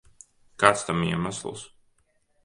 Kāds tam iemesls?